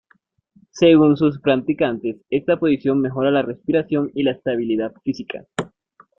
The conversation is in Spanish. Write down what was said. Según sus practicantes, esta posición mejora la respiración y la estabilidad física.